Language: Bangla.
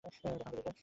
দেখা হবে, লিন্ডেন।